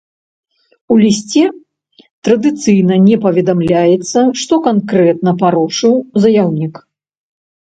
У лісце традыцыйна не паведамляецца, што канкрэтна парушыў заяўнік.